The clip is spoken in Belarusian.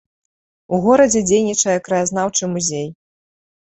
У горадзе дзейнічае краязнаўчы музей.